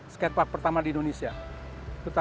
skatepark pertama itu itu papan besar